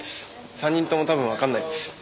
３人ともたぶん分かんないです。